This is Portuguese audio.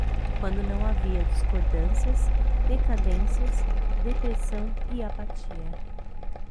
quando não havia discordâncias, decadências, depressão e apatia